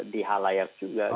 di halayak juga